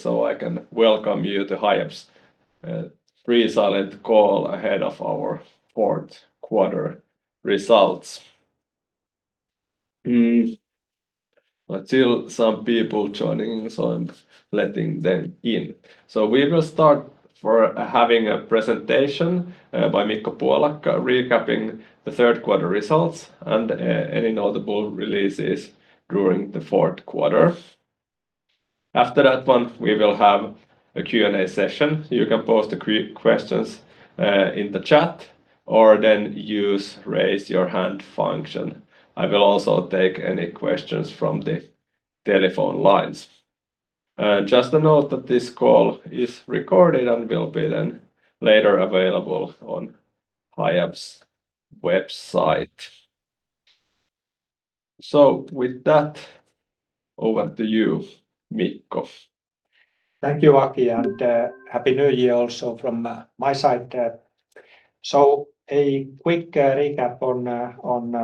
So I can welcome you to Hiab's pre-silent call ahead of our fourth quarter results. I see some people joining, so I'm letting them in. So we will start with having a presentation by Mikko Puolakka recapping the third quarter results and any notable releases during the fourth quarter. After that one, we will have a Q&A session. You can post the questions in the chat or then use the raise your hand function. I will also take any questions from the telephone lines. Just a note that this call is recorded and will be then later available on Hiab's website. So with that, over to you, Mikko. Thank you, Aki, and Happy New Year also from my side. A quick recap on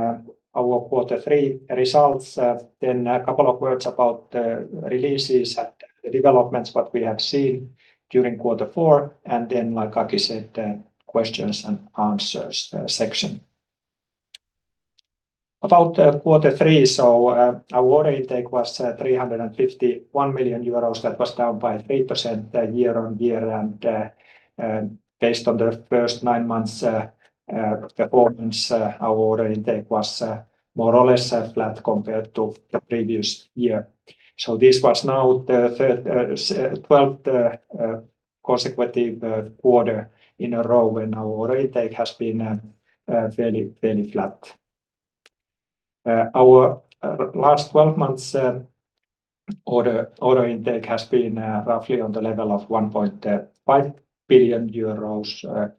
our quarter three results, then a couple of words about the releases and the developments that we have seen during quarter four, and then, like Aki said, the questions and answers section. About quarter three, our order intake was 351 million euros. That was down by 3% year-on-year, and based on the first nine months' performance, our order intake was more or less flat compared to the previous year. This was now the 12th consecutive quarter in a row, and our order intake has been fairly, fairly flat. Our last 12 months' order intake has been roughly on the level of 1.5 billion euros,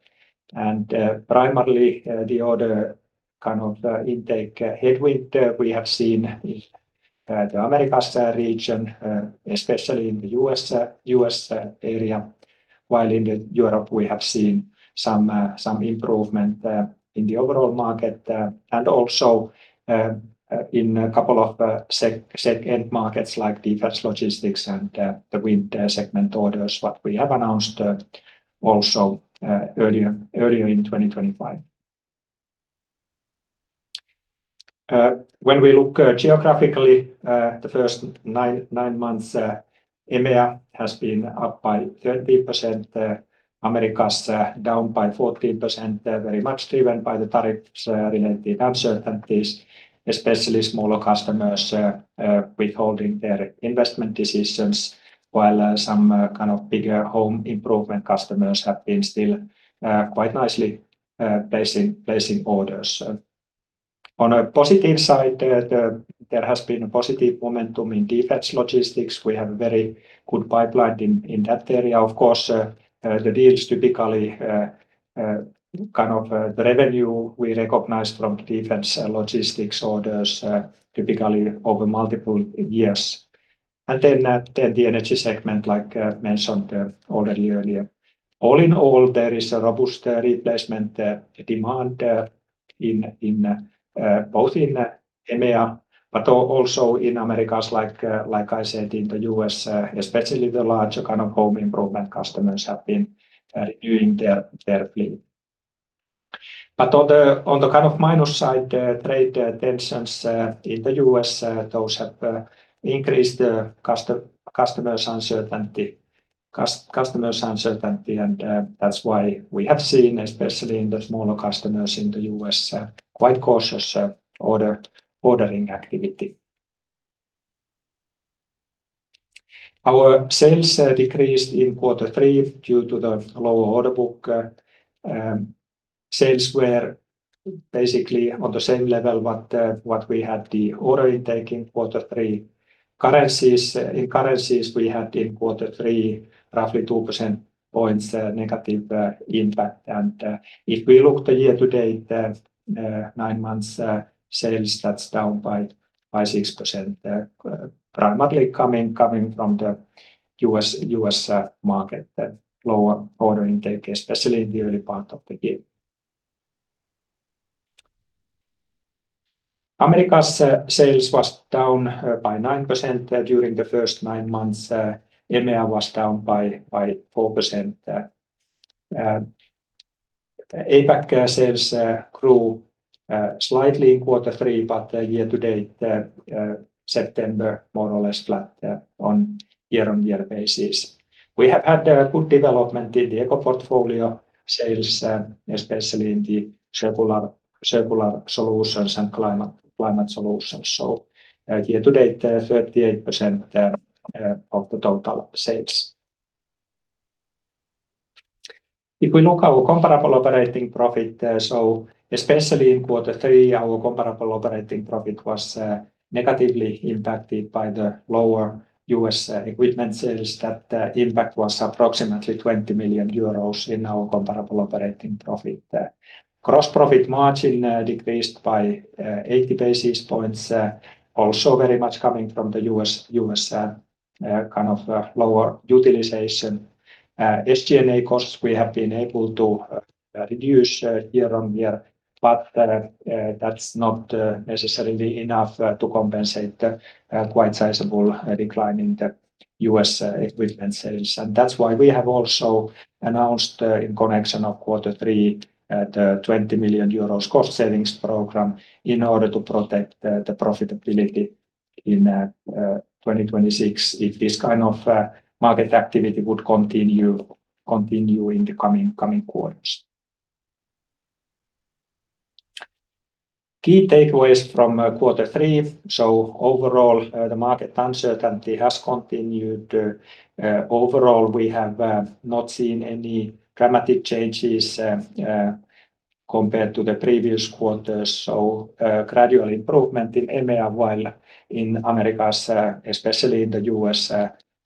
and primarily the order kind of intake headwind we have seen in the Americas region, especially in the U.S. area, while in Europe we have seen some improvement in the overall market and also in a couple of second markets like defense logistics and the wind segment orders that we have announced also earlier in 2025. When we look geographically, the first nine months' EMEA has been up by 30%, Americas down by 14%, very much driven by the tariffs-related uncertainties, especially smaller customers withholding their investment decisions, while some kind of bigger home improvement customers have been still quite nicely placing orders. On a positive side, there has been a positive momentum in defense logistics. We have a very good pipeline in that area. Of course, the deals typically kind of the revenue we recognize from defense logistics orders typically over multiple years, and then the energy segment, like mentioned already earlier. All in all, there is a robust replacement demand both in EMEA but also in Americas, like I said, in the U.S., especially the larger kind of home improvement customers have been renewing their fleet, but on the kind of minus side, trade tensions in the U.S., those have increased customers' uncertainty, and that's why we have seen, especially in the smaller customers in the U.S., quite cautious ordering activity. Our sales decreased in quarter three due to the lower order book. Sales were basically on the same level that we had the order intake in quarter three. In currencies, we had in quarter three roughly 2 percentage points negative impact, and if we look at the year to date, nine months' sales that's down by 6%, primarily coming from the U.S. market, lower order intake, especially in the early part of the year. Americas sales was down by 9% during the first nine months. EMEA was down by 4%. APAC sales grew slightly in quarter three, but year to date, September more or less flat on year-on-year basis. We have had good development in the eco portfolio sales, especially in the circular solutions and climate solutions. So year to date, 38% of the total sales. If we look at our comparable operating profit, so especially in quarter three, our comparable operating profit was negatively impacted by the lower U.S. equipment sales. That impact was approximately 20 million euros in our comparable operating profit. Gross profit margin decreased by 80 basis points, also very much coming from the U.S. kind of lower utilization. SG&A costs we have been able to reduce year-on-year, but that's not necessarily enough to compensate the quite sizable decline in the U.S. equipment sales. And that's why we have also announced in connection of quarter three the 20 million euros cost savings program in order to protect the profitability in 2026 if this kind of market activity would continue in the coming quarters. Key takeaways from quarter three. So overall, the market uncertainty has continued. Overall, we have not seen any dramatic changes compared to the previous quarters. So gradual improvement in EMEA, while in Americas, especially in the U.S.,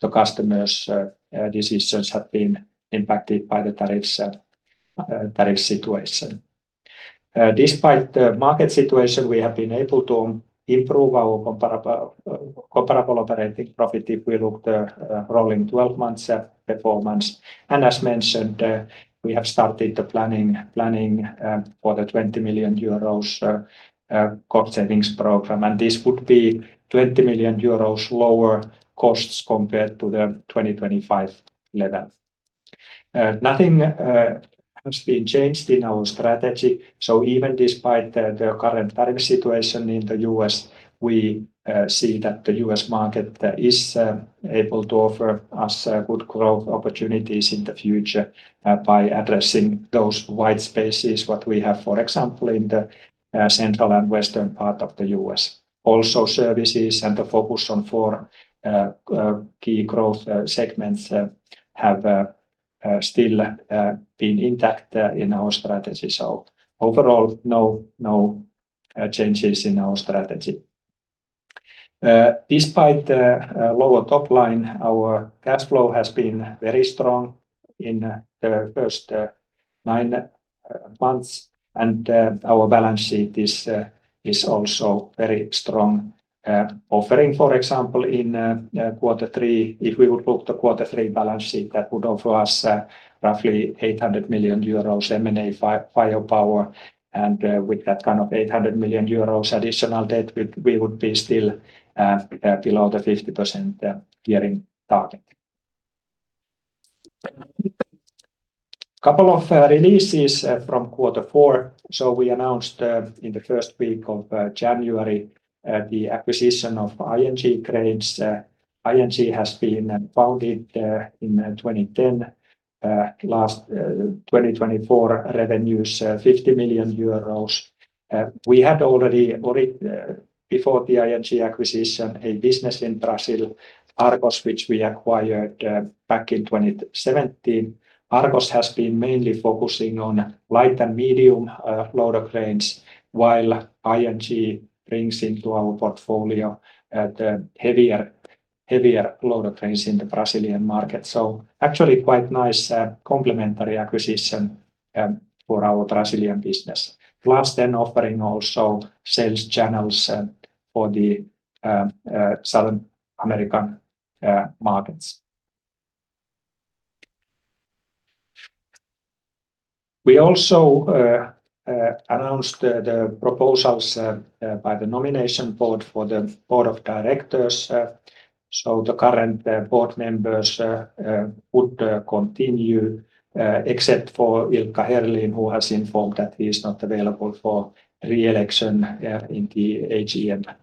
the customers' decisions have been impacted by the tariff situation. Despite the market situation, we have been able to improve our comparable operating profit if we look at the rolling 12 months' performance, and as mentioned, we have started the planning for the 20 million euros cost savings program, and this would be 20 million euros lower costs compared to the 2025 level. Nothing has been changed in our strategy, so even despite the current tariff situation in the U.S., we see that the U.S. market is able to offer us good growth opportunities in the future by addressing those white spaces that we have, for example, in the central and western part of the U.S. Also, services and the focus on four key growth segments have still been intact in our strategy, so overall, no changes in our strategy. Despite the lower top line, our cash flow has been very strong in the first nine months, and our balance sheet is also very strong. For example, in quarter three, if we would look at the quarter three balance sheet, that would offer us roughly 800 million euros M&A firepower, and with that kind of 800 million euros additional debt, we would be still below the 50% year-end target. A couple of releases from quarter four, so we announced in the first week of January the acquisition of ING Cranes. ING has been founded in 2010. In 2024, revenues 50 million euros. We had already before the ING acquisition a business in Brazil, Argos, which we acquired back in 2017. Argos has been mainly focusing on light and medium loader cranes, while ING brings into our portfolio the heavier loader cranes in the Brazilian market. So actually quite nice complementary acquisition for our Brazilian business. Plus then offering also sales channels for the Southern American markets. We also announced the proposals by the nomination board for the board of directors. So the current board members would continue, except for Ilkka Herlin, who has informed that he is not available for re-election in the AGM,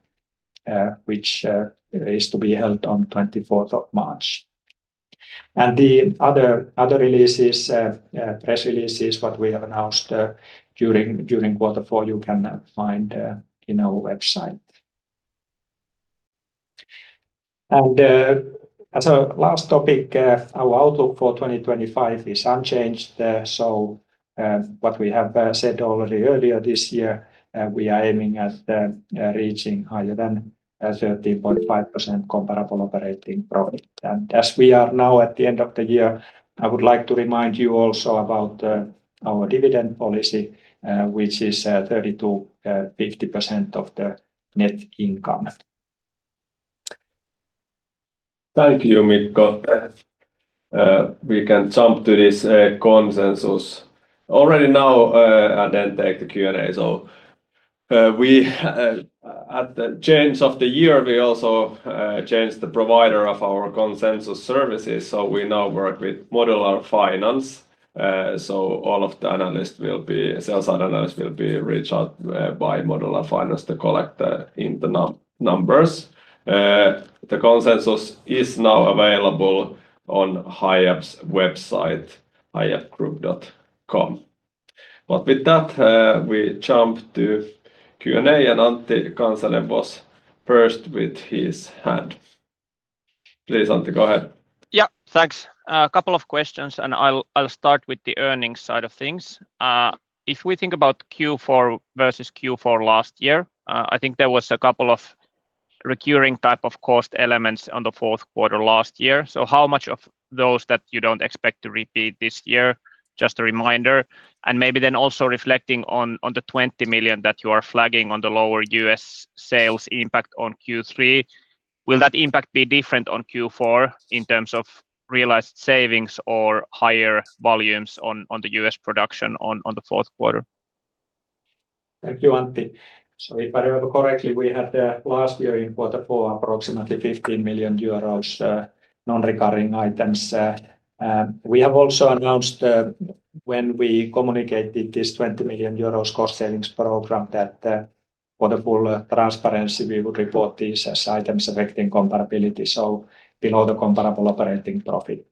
which is to be held on 24 March. And the other releases, press releases that we have announced during quarter four, you can find in our website. And as a last topic, our outlook for 2025 is unchanged. So what we have said already earlier this year, we are aiming at reaching higher than 13.5% comparable operating profit. And as we are now at the end of the year, I would like to remind you also about our dividend policy, which is 32.50% of the net income. Thank you, Mikko. We can jump to this consensus already now and then take the Q&A. So at the change of the year, we also changed the provider of our consensus services. So we now work with Modular Finance. So all of the analysts, sell-side analysts, will be reached out by Modular Finance to collect the numbers. The consensus is now available on Hiab's website, hiabgroup.com. But with that, we jump to Q&A, and Antti Kansanen was first with his hand. Please, Antti, go ahead. Yeah, thanks. A couple of questions, and I'll start with the earnings side of things. If we think about Q4 versus Q4 last year, I think there was a couple of recurring type of cost elements on the fourth quarter last year. So how much of those that you don't expect to repeat this year, just a reminder, and maybe then also reflecting on the 20 million that you are flagging on the lower U.S. sales impact on Q3, will that impact be different on Q4 in terms of realized savings or higher volumes on the U.S. production on the fourth quarter? Thank you, Antti. So if I remember correctly, we had last year in quarter four approximately 15 million euros non-recurring items. We have also announced when we communicated this 20 million euros cost savings program that for the full transparency, we would report these as items affecting comparability, so below the comparable operating profit.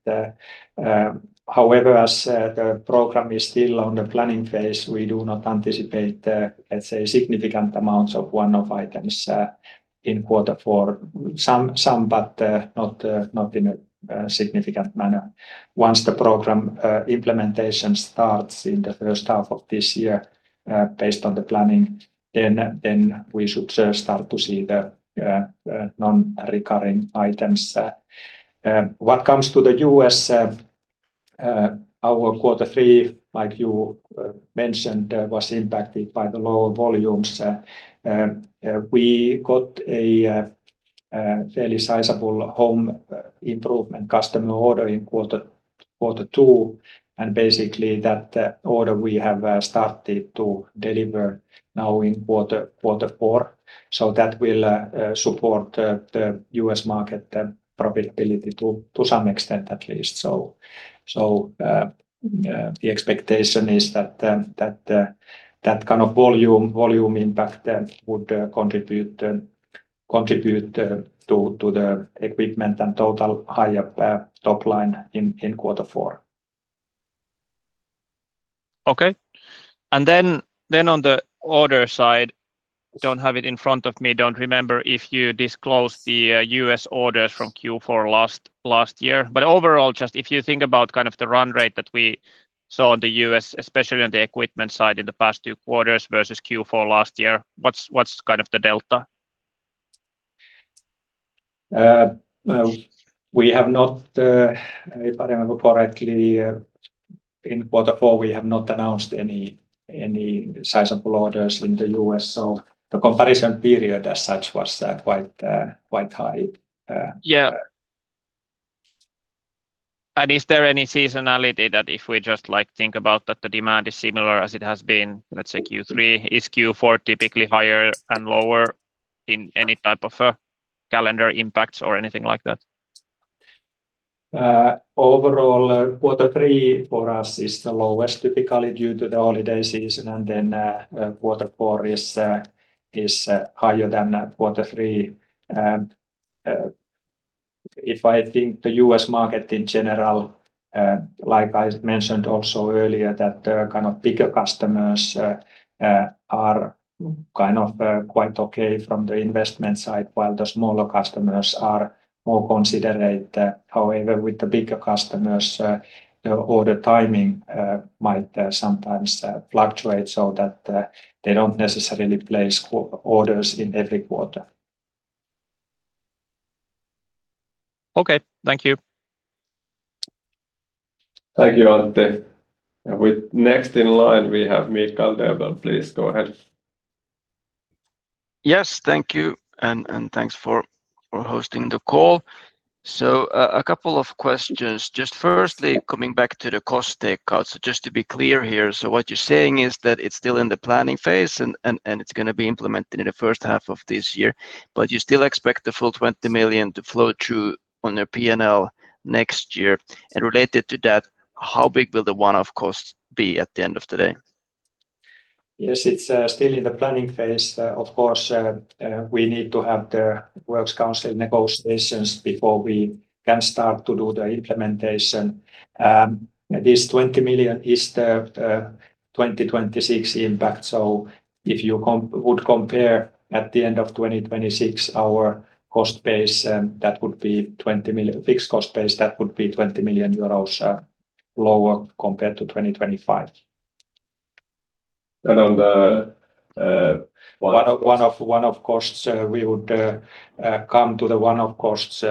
However, as the program is still on the planning phase, we do not anticipate, let's say, significant amounts of one-off items in quarter four, some but not in a significant manner. Once the program implementation starts in the first half of this year, based on the planning, then we should start to see the non-recurring items. What comes to the U.S., our quarter three, like you mentioned, was impacted by the lower volumes. We got a fairly sizable home improvement customer order in quarter two, and basically that order we have started to deliver now in quarter four. So that will support the U.S. market profitability to some extent at least. So the expectation is that that kind of volume impact would contribute to the equipment and total higher top line in quarter four. Okay. And then on the order side, don't have it in front of me, don't remember if you disclosed the U.S. orders from Q4 last year. But overall, just if you think about kind of the run rate that we saw in the U.S., especially on the equipment side in the past two quarters versus Q4 last year, what's kind of the delta? We have not, if I remember correctly, in quarter four, we have not announced any sizable orders in the U.S. So the comparison period as such was quite high. Yeah, and is there any seasonality that if we just think about that the demand is similar as it has been, let's say Q3, is Q4 typically higher and lower in any type of calendar impacts or anything like that? Overall, quarter three for us is the lowest typically due to the holiday season, and then quarter four is higher than quarter three. If I think the U.S. market in general, like I mentioned also earlier, that kind of bigger customers are kind of quite okay from the investment side, while the smaller customers are more considerate. However, with the bigger customers, the order timing might sometimes fluctuate so that they don't necessarily place orders in every quarter. Okay, thank you. Thank you, Antti. Next in line, we have Mikael Doepel, please go ahead. Yes, thank you, and thanks for hosting the call. So a couple of questions. Just firstly, coming back to the cost takeout, so just to be clear here, so what you're saying is that it's still in the planning phase and it's going to be implemented in the first half of this year, but you still expect the full 20 million to flow through on the P&L next year. And related to that, how big will the one-off cost be at the end of the day? Yes, it's still in the planning phase. Of course, we need to have the works council negotiations before we can start to do the implementation. This 20 million is the 2026 impact. So if you would compare at the end of 2026, our cost base, that would be 20 million, fixed cost base, that would be 20 million euros lower compared to 2025. And on the one-off costs, we would come to the one-off costs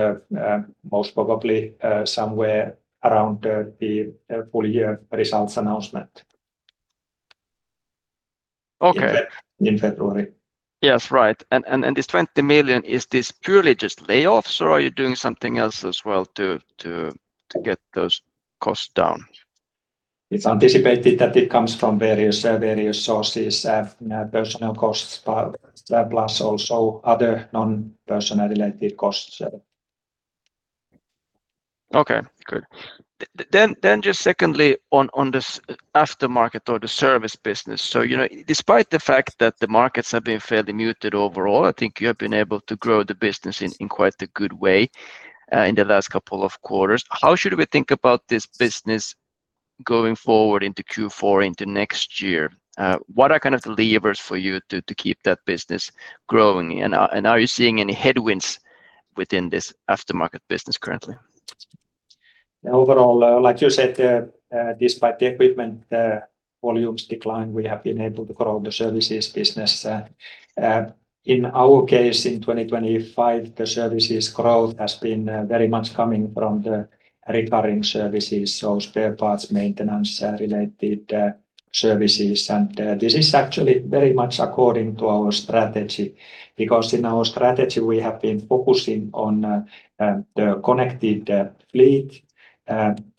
most probably somewhere around the full year results announcement. Okay. In February. Yes, right. And this 20 million, is this purely just layoffs or are you doing something else as well to get those costs down? It's anticipated that it comes from various sources, personnel costs, plus also other non-personnel related costs. Okay, good. Then just secondly on this aftermarket or the service business. So despite the fact that the markets have been fairly muted overall, I think you have been able to grow the business in quite a good way in the last couple of quarters. How should we think about this business going forward into Q4, into next year? What are kind of the levers for you to keep that business growing? And are you seeing any headwinds within this aftermarket business currently? Overall, like you said, despite the equipment volumes decline, we have been able to grow the services business. In our case, in 2025, the services growth has been very much coming from the recurring services, so spare parts, maintenance-related services. And this is actually very much according to our strategy because in our strategy, we have been focusing on the connected fleet,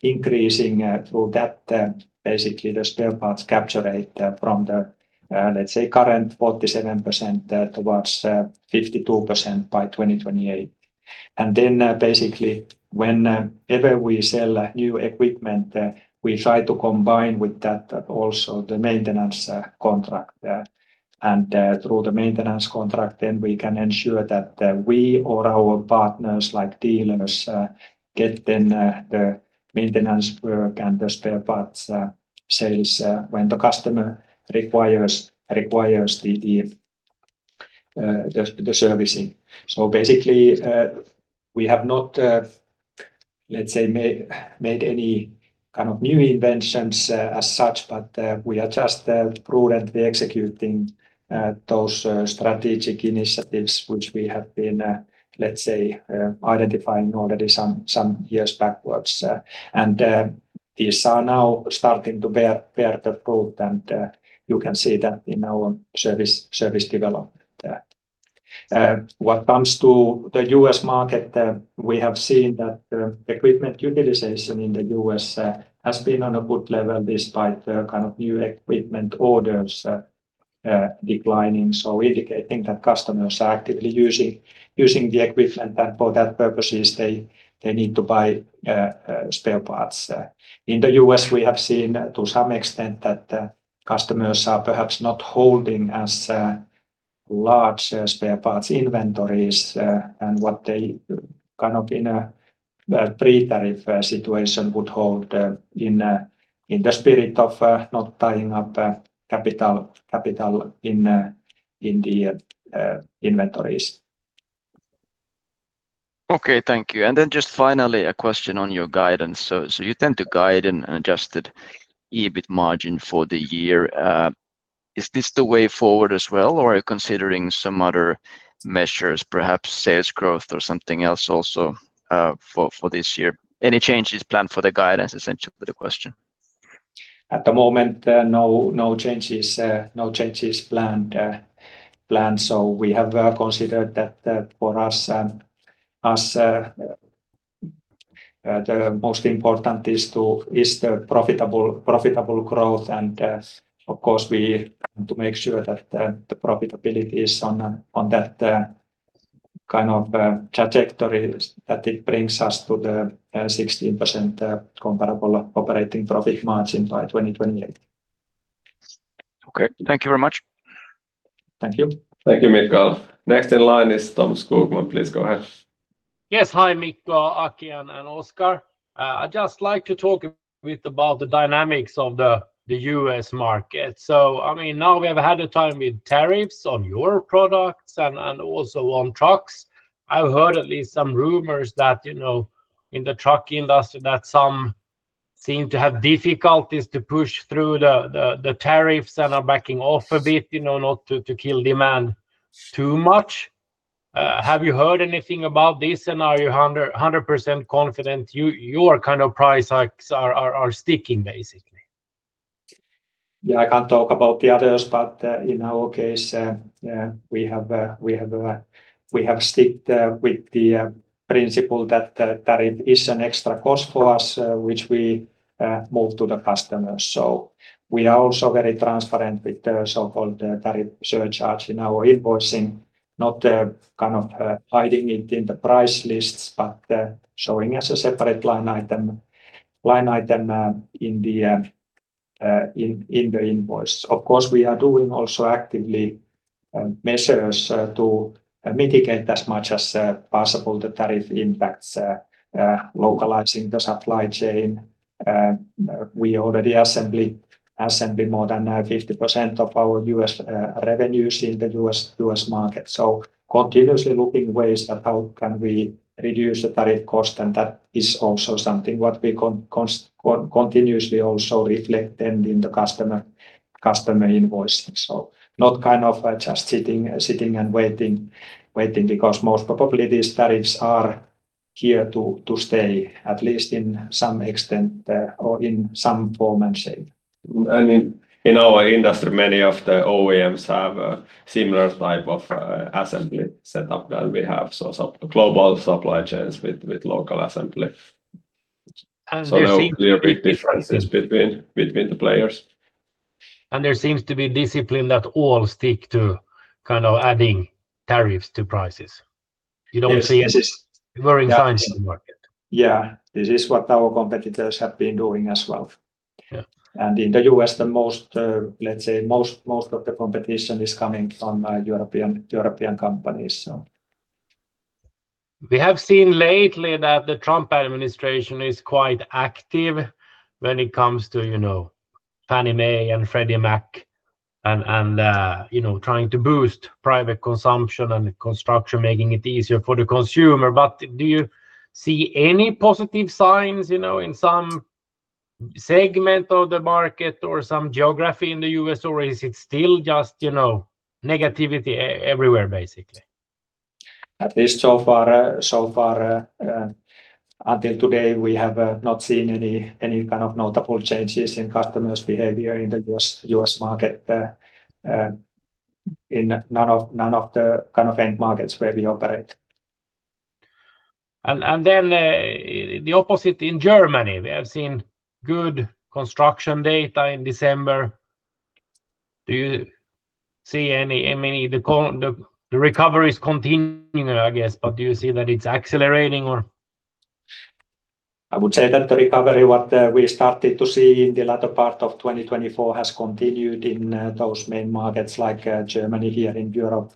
increasing through that basically the spare parts capture rate from the, let's say, current 47% towards 52% by 2028, and then basically whenever we sell new equipment, we try to combine with that also the maintenance contract, and through the maintenance contract, then we can ensure that we or our partners like dealers get then the maintenance work and the spare parts sales when the customer requires the servicing. So basically we have not, let's say, made any kind of new inventions as such, but we are just prudently executing those strategic initiatives which we have been, let's say, identifying already some years backwards. And these are now starting to bear the fruit, and you can see that in our service development. What comes to the U.S. market, we have seen that equipment utilization in the U.S. has been on a good level despite the kind of new equipment orders declining, so indicating that customers are actively using the equipment, and for that purpose, they need to buy spare parts. In the U.S., we have seen to some extent that customers are perhaps not holding as large spare parts inventories and what they kind of in a pre-tariff situation would hold in the spirit of not tying up capital in the inventories. Okay, thank you. And then just finally a question on your guidance. So you tend to guide on adjusted EBIT margin for the year. Is this the way forward as well, or are you considering some other measures, perhaps sales growth or something else also for this year? Any changes planned for the guidance, essentially the question? At the moment, no changes planned. So we have considered that for us, the most important is the profitable growth. And of course, we have to make sure that the profitability is on that kind of trajectory that it brings us to the 16% comparable operating profit margin by 2028. Okay, thank you very much. Thank you. Thank you, Mikko. Next in line is Tom Skogman, please go ahead. Yes, hi Mikko, Aki and Oscar. I'd just like to talk a bit about the dynamics of the U.S. market. So I mean, now we have had a time with tariffs on your products and also on trucks. I've heard at least some rumors that in the truck industry that some seem to have difficulties to push through the tariffs and are backing off a bit, you know, not to kill demand too much. Have you heard anything about this and are you 100% confident your kind of price hikes are sticking basically? Yeah, I can't talk about the others, but in our case, we have stuck with the principle that tariff is an extra cost for us, which we move to the customers. So we are also very transparent with the so-called tariff surcharge in our invoicing, not kind of hiding it in the price lists, but showing as a separate line item in the invoice. Of course, we are doing also active measures to mitigate as much as possible the tariff impacts, localizing the supply chain. We already assembled more than 50% of our U.S. revenues in the U.S. market. So continuously looking ways that how can we reduce the tariff cost, and that is also something what we continuously also reflect in the customer invoicing. So not kind of just sitting and waiting because most probably these tariffs are here to stay, at least in some extent or in some form and shape. I mean, in our industry, many of the OEMs have a similar type of assembly setup than we have, so global supply chains with local assembly. So there are clearly a big differences between the players. There seems to be a discipline that all stick to kind of adding tariffs to prices. You don't see warning signs in the market. Yeah, this is what our competitors have been doing as well, and in the U.S., the most, let's say, most of the competition is coming from European companies. We have seen lately that the Trump administration is quite active when it comes to Fannie Mae and Freddie Mac and trying to boost private consumption and construction, making it easier for the consumer. But do you see any positive signs in some segment of the market or some geography in the U.S., or is it still just negativity everywhere basically? At least so far, until today, we have not seen any kind of notable changes in customers' behavior in the U.S. market in none of the kind of end markets where we operate. Then the opposite in Germany, we have seen good construction data in December. Do you see any recovery continuing, I guess, but do you see that it's accelerating or? I would say that the recovery what we started to see in the latter part of 2024 has continued in those main markets like Germany here in Europe.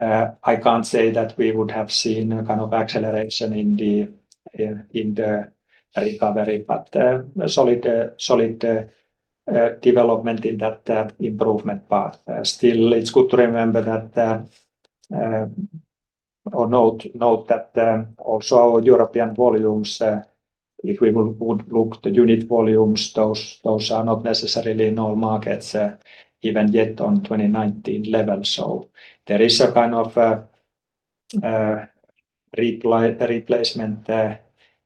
I can't say that we would have seen kind of acceleration in the recovery, but solid development in that improvement path. Still, it's good to remember that or note that also our European volumes, if we would look at the unit volumes, those are not necessarily in all markets even yet on 2019 level. So there is a kind of replacement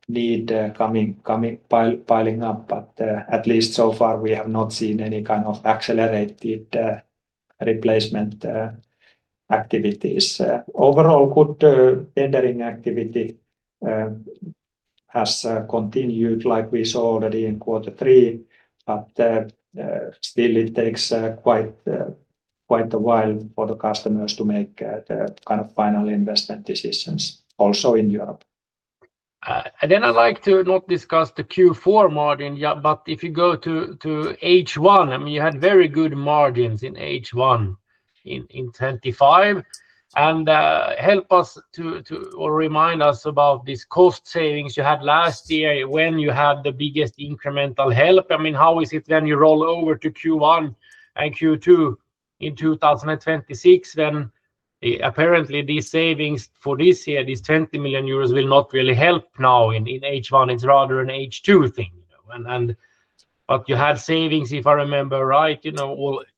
need piling up, but at least so far we have not seen any kind of accelerated replacement activities. Overall, bidding activity has continued like we saw already in quarter three, but still it takes quite a while for the customers to make the kind of final investment decisions also in Europe. And then I'd like to not discuss the Q4 margin, but if you go to H1, I mean, you had very good margins in H1 in 2025. And help us to or remind us about this cost savings you had last year when you had the biggest incremental help. I mean, how is it when you roll over to Q1 and Q2 in 2026, then apparently these savings for this year, these 20 million euros will not really help now in H1. It's rather an H2 thing. But you had savings, if I remember right,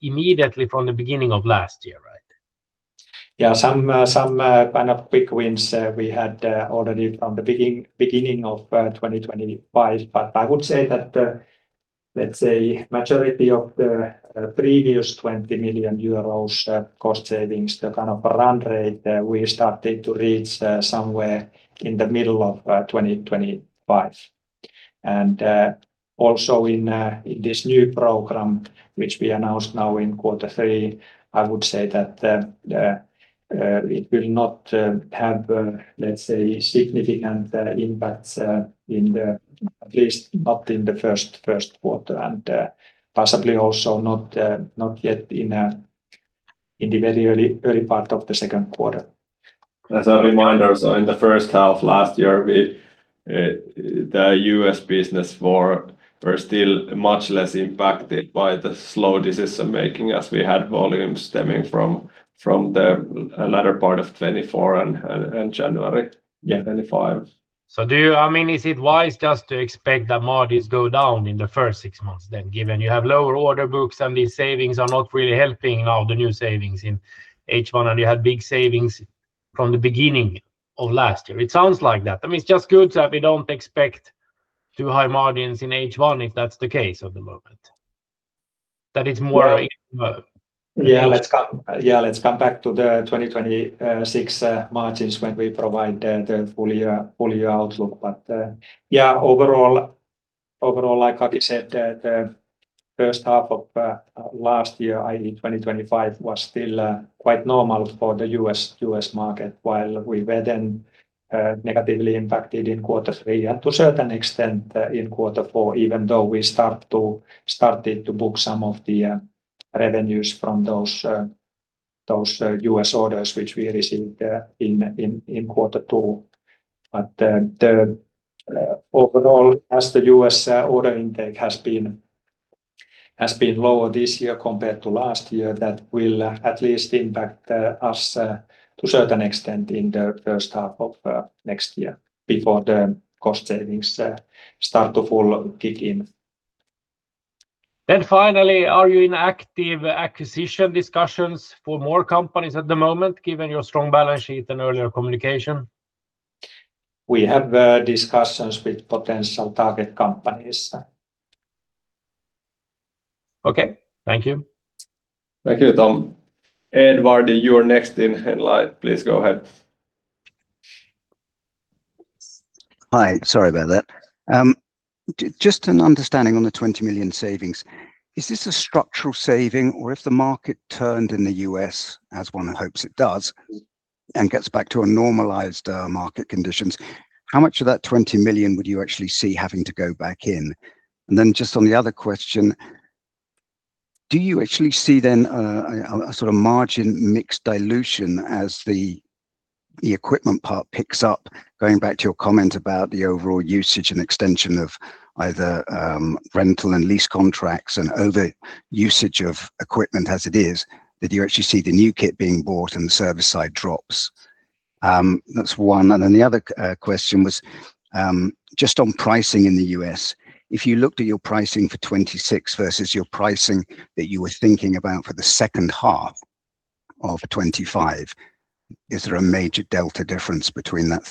immediately from the beginning of last year, right? Yeah, some kind of big wins we had already from the beginning of 2025, but I would say that, let's say, the majority of the previous 20 million euros cost savings, the kind of run rate, we started to reach somewhere in the middle of 2025. And also in this new program, which we announced now in quarter three, I would say that it will not have, let's say, significant impacts in the, at least not in the first quarter, and possibly also not yet in the very early part of the second quarter. As a reminder, so in the first half last year, the U.S. business were still much less impacted by the slow decision making as we had volumes stemming from the latter part of 2024 and January 2025. So do you, I mean, is it wise just to expect that margins go down in the first six months then, given you have lower order books and these savings are not really helping now the new savings in H1 and you had big savings from the beginning of last year? It sounds like that. I mean, it's just good that we don't expect too high margins in H1 if that's the case at the moment. That it's more in the. Yeah, let's come back to the 2026 margins when we provide the full year outlook, but yeah, overall, like Aki said, the first half of last year, i.e., 2025, was still quite normal for the U.S. market while we were then negatively impacted in quarter three and to a certain extent in quarter four, even though we started to book some of the revenues from those U.S. orders which we received in quarter two, but overall, as the U.S. order intake has been lower this year compared to last year, that will at least impact us to a certain extent in the first half of next year before the cost savings start to fully kick in. Finally, are you in active acquisition discussions for more companies at the moment given your strong balance sheet and earlier communication? We have discussions with potential target companies. Okay, thank you. Thank you, Tom. Edvard, you're next in line. Please go ahead. Hi, sorry about that. Just an understanding on the 20 million savings. Is this a structural saving or if the market turned in the U.S., as one hopes it does, and gets back to a normalized market conditions, how much of that 20 million would you actually see having to go back in? And then just on the other question, do you actually see then a sort of margin mix dilution as the equipment part picks up, going back to your comment about the overall usage and extension of either rental and lease contracts and overusage of equipment as it is, that you actually see the new kit being bought and the service side drops? That's one. And then the other question was just on pricing in the U.S. If you looked at your pricing for 2026 versus your pricing that you were thinking about for the second half of 2025, is there a major delta difference between that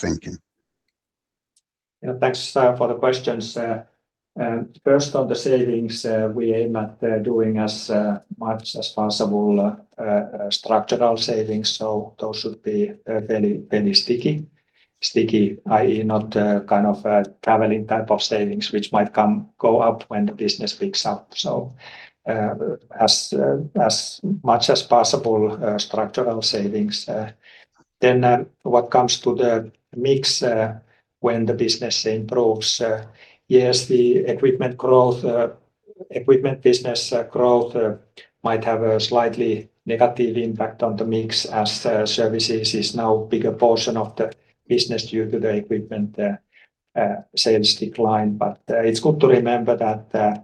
thinking? Yeah, thanks for the questions. First, on the savings, we aim at doing as much as possible structural savings. So those should be very, very sticky, i.e., not kind of traveling type of savings which might go up when the business picks up. So as much as possible, structural savings. Then what comes to the mix when the business improves? Yes, the equipment business growth might have a slightly negative impact on the mix as services is now a bigger portion of the business due to the equipment sales decline. But it's good to remember that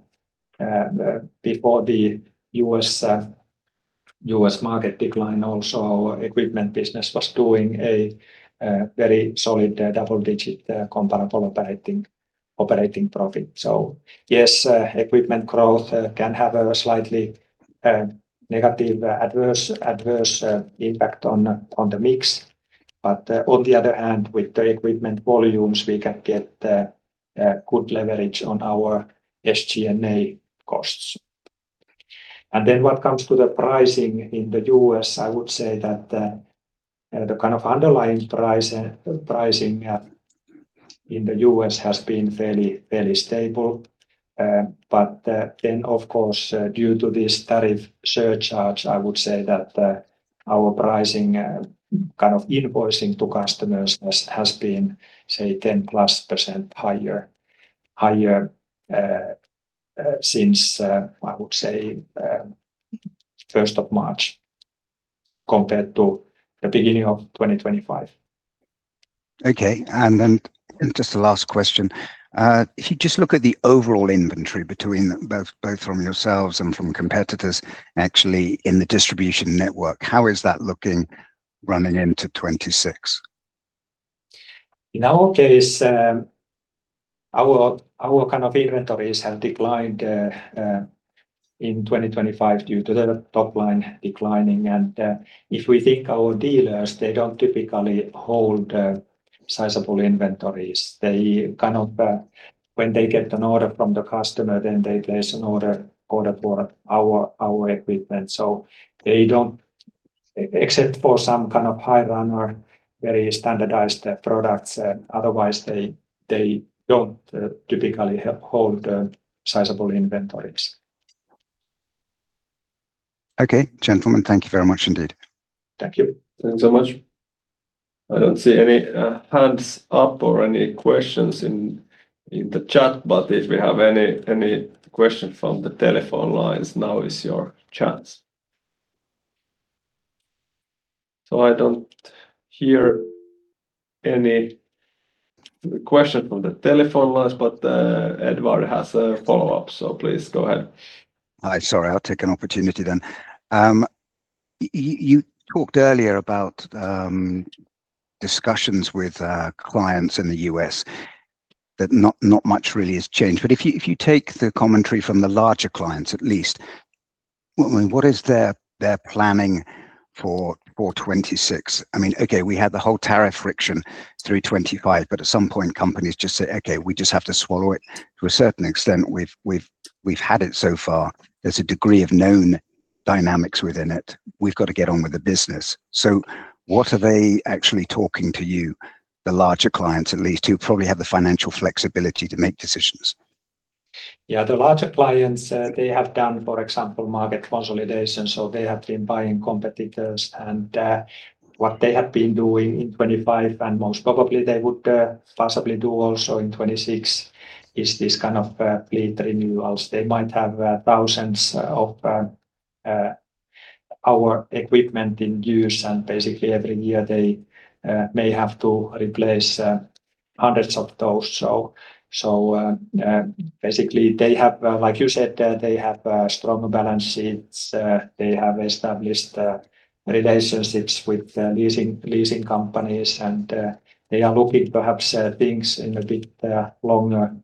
before the U.S. market decline, also our equipment business was doing a very solid double-digit comparable operating profit. So yes, equipment growth can have a slightly negative adverse impact on the mix. But on the other hand, with the equipment volumes, we can get good leverage on our SG&A costs. And then what comes to the pricing in the U.S., I would say that the kind of underlying pricing in the U.S. has been fairly stable. But then, of course, due to this tariff surcharge, I would say that our pricing kind of invoicing to customers has been, say, 10%+ higher since I would say first of March compared to the beginning of 2025. Okay, and then just the last question. If you just look at the overall inventory between both from yourselves and from competitors actually in the distribution network, how is that looking running into 2026? In our case, our kind of inventories have declined in 2025 due to the top line declining. And if we think our dealers, they don't typically hold sizable inventories. They kind of, when they get an order from the customer, then they place an order for our equipment. So they don't, except for some kind of high runner, very standardized products. Otherwise, they don't typically hold sizable inventories. Okay, gentlemen, thank you very much indeed. Thank you. Thanks so much. I don't see any hands up or any questions in the chat, but if we have any questions from the telephone lines, now is your chance. So I don't hear any questions from the telephone lines, but Edvard has a follow-up, so please go ahead. Hi, sorry, I'll take an opportunity then. You talked earlier about discussions with clients in the U.S. that not much really has changed. But if you take the commentary from the larger clients at least, what is their planning for 2026? I mean, okay, we had the whole tariff friction through 2025, but at some point companies just say, okay, we just have to swallow it. To a certain extent, we've had it so far. There's a degree of known dynamics within it. We've got to get on with the business. So what are they actually talking to you, the larger clients at least, who probably have the financial flexibility to make decisions? Yeah, the larger clients, they have done, for example, market consolidation. So they have been buying competitors. And what they have been doing in 2025, and most probably they would possibly do also in 2026, is this kind of fleet renewals. They might have thousands of our equipment in use, and basically every year they may have to replace hundreds of those. So basically they have, like you said, they have stronger balance sheets. They have established relationships with leasing companies, and they are looking perhaps at things in a bit longer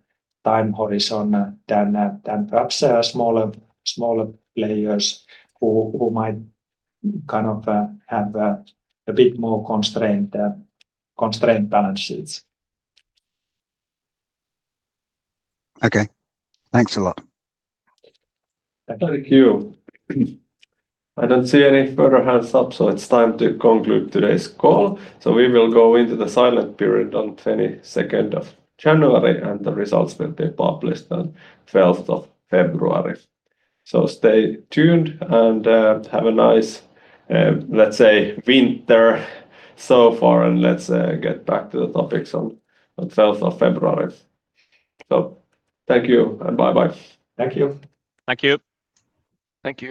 time horizon than perhaps smaller players who might kind of have a bit more constrained balance sheets. Okay, thanks a lot. Thank you. I don't see any further hands up, so it's time to conclude today's call. So we will go into the silent period on 22nd of January, and the results will be published on 12th of February. So stay tuned and have a nice, let's say, winter so far, and let's get back to the topics on 12th of February. So thank you and bye-bye. Thank you. Thank you. Thank you.